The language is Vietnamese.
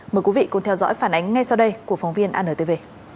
mời quý vị cùng theo dõi phản ánh ngay sau đây của phóng viên antv